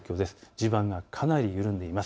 地盤かなり緩んでいます。